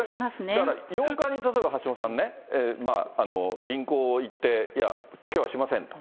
だから８日に例えば橋下さんね、銀行行って、いや、きょうはしませんと。